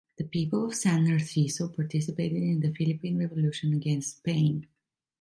The people of San Narciso participated in the Philippine Revolution against Spain.